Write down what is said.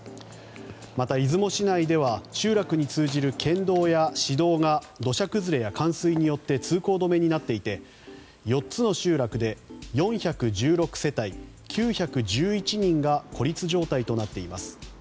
また、出雲市内では集落に通じる県道や市道が土砂崩れや冠水によって通行止めになっていて４つの集落で４１６世帯９１１人が孤立状態となっています。